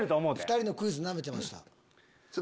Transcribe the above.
２人のクイズナメてました。